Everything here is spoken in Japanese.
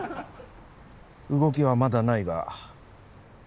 動きはまだないが。